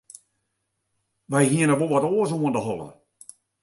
Wy hiene wol wat oars oan 'e holle.